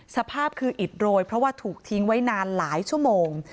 สภาพคืออิดโรยเพราะว่าถูกทิ้งไว้นานหลายชั่วโมง